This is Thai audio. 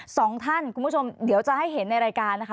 สองท่านคุณผู้ชมเดี๋ยวจะให้เห็นในรายการนะคะ